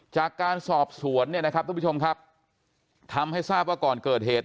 จากการสอบสวนเนี่ยนะครับทุกผู้ชมครับทำให้ทราบว่าก่อนเกิดเหตุ